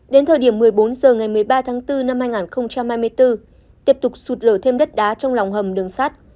đến thời điểm một mươi bốn h ngày một mươi ba tháng bốn năm hai nghìn hai mươi bốn tiếp tục sụt lở thêm đất đá trong lòng hầm đường sắt